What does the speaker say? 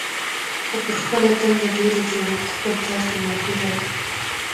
خو پر خپله دنده ډېره جوړه وه، په خپل کار کې ماهره وه.